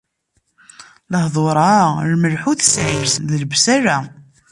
Lehdur-a, lmelḥ ur t-sɛin, d lebsala